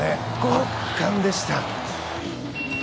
圧巻でした！